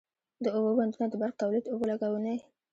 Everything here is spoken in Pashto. د اوبو بندونه د برق تولید، اوبو لګونی،